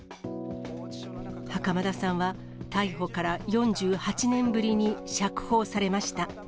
袴田さんは逮捕から４８年ぶりに釈放されました。